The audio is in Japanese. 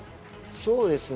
そうですね。